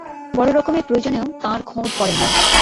বড় রকমের প্রয়োজনেও তাঁর খোঁজ করেন না।